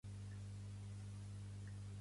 Hi ha més morts que no diuen?